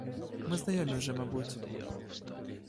Ми знайомі вже, мабуть.